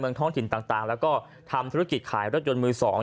ท้องถิ่นต่างแล้วก็ทำธุรกิจขายรถยนต์มือสอง